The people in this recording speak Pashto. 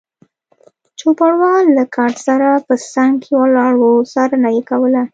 چوپړوال له کټ سره په څنګ کې ولاړ و، څارنه یې کوله.